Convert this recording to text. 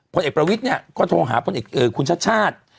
ผลเอกประวิทย์เนี่ยก็โทรหาพลเอกคุณชาติชาติ